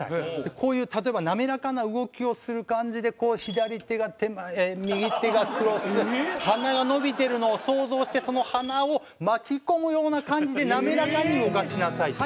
「こういう例えば滑らかな動きをする感じでこう左手が手前右手がクロス鼻が伸びてるのを想像してその鼻を巻き込むような感じで滑らかに動かしなさい」と。